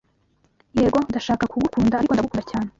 Yego ndashaka kugukunda ariko ndagukunda cyane